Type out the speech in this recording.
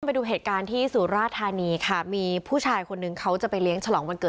ไปดูเหตุการณ์ที่สุราธานีค่ะมีผู้ชายคนนึงเขาจะไปเลี้ยงฉลองวันเกิด